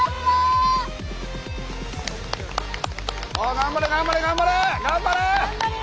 頑張れ頑張れ頑張れ！